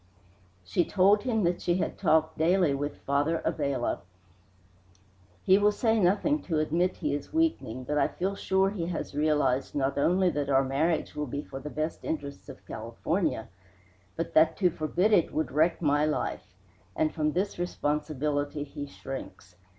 She told him that she had talked daily with Father Abella. "He will say nothing to admit he is weakening, but I feel sure he has realized not only that our marriage will be for the best interests of California, but that to forbid it would wreck my life; and from this responsibility he shrinks.